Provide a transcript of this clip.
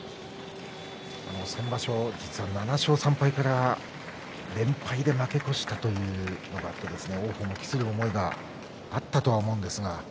先場所は７勝３敗から連敗で負け越したというのがあって王鵬も期する思いがあったと思うんですが。